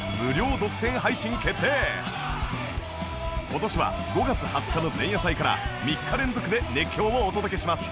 今年は５月２０日の前夜祭から３日連続で熱狂をお届けします